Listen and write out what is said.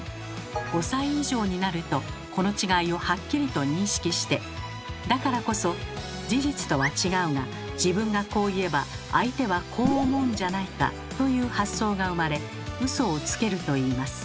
５歳以上になるとこの違いをはっきりと認識してだからこそ「事実とは違うが自分がこう言えば相手はこう思うんじゃないか？」という発想が生まれウソをつけるといいます。